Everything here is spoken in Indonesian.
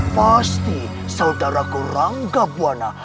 pasti saudaraku ranggabwana